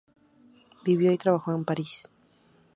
Vivió y trabajó en París.